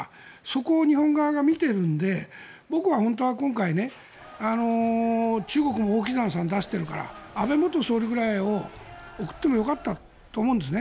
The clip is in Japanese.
そこを日本側が見ているので僕は本当は今回中国もオウ・キザンさんを出しているから安倍元総理ぐらいを送ってもよかったと思うんです。